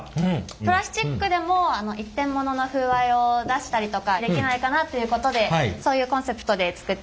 プラスチックでも一点物の風合いを出したりとかできないかなということでそういうコンセプトで作っております。